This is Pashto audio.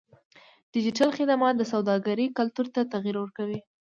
ډیجیټل خدمات د سوداګرۍ کلتور ته تغیر ورکوي.